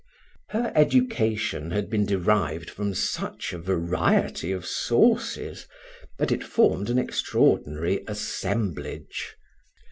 Her education had been derived from such a variety of sources, that it formed an extraordinary assemblage.